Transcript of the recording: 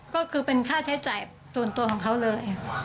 ก็คือเป็นค่าใช้จ่ายส่วนตัวของเขาเลย